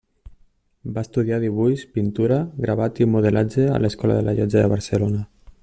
Va estudiar dibuix, pintura, gravat i modelatge a l'Escola de la Llotja de Barcelona.